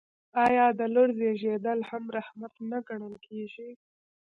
آیا د لور زیږیدل هم رحمت نه ګڼل کیږي؟